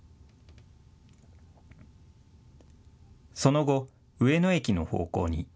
その後、上野駅の方向に。